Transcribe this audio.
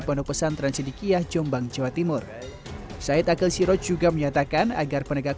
pondok pesantren sidikiah jombang jawa timur said akhil siroj juga menyatakan agar penegak